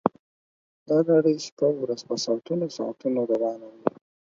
دا لړۍ شپه ورځ په ساعتونو ساعتونو روانه وي